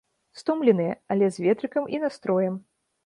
Стомленыя, але з ветрыкам і настроем!